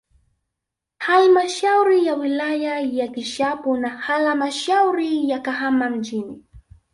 Halmashauri ya wilaya ya Kishapu na halamshauri ya Kahama mjini